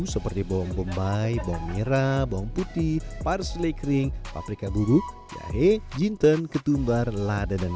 seperti bawang bombay bawang merah bawang putih parsley kering paprika buruk jahe jinten ketumbar lada dan